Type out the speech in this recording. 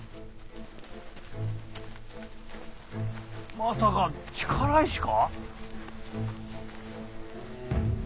まさが力石か？